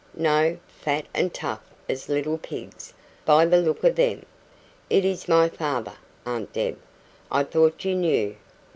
No fat and tough as little pigs, by the look of them. It is my father, Aunt Deb. I thought you knew."